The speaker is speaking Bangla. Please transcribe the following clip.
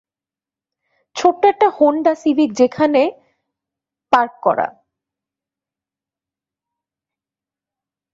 ছোট্ট একটা হোন্ডা সিভিক সেখানে পার্ক করা।